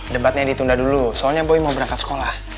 debatnya ditunda dulu soalnya boy mau berangkat sekolah